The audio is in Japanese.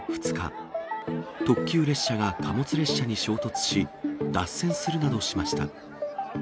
州で２日、特急列車が貨物列車に衝突し、脱線するなどしました。